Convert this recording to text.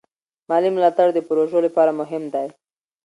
مالي ملاتړ د پروژو لپاره مهم دی.